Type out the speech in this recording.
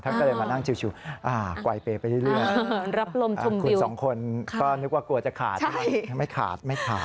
ท่านก็เลยมานั่งชิว